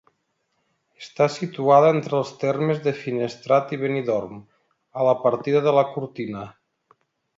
Està situada entre els termes de Finestrat i Benidorm, a la partida de la Cortina.